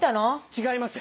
違います